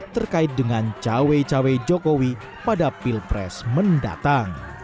terkait dengan cawe cawe jokowi pada pilpres mendatang